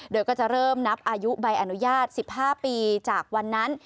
โดยก็จะเริ่มนับอายุใบอนุญาต๑๕ปีจากวันนั้น